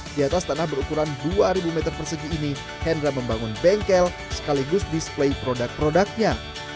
di atas tanah berukuran dua ribu meter persegi ini hendra membangun bengkel sekaligus display produk produknya